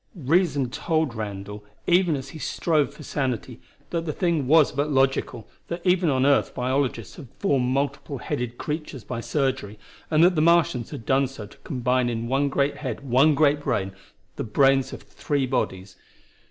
Reason told Randall, even as he strove for sanity, that the thing was but logical, that even on earth biologists had formed multiple headed creatures by surgery, and that the Martians had done so to combine in one great head, one great brain, the brains of three bodies.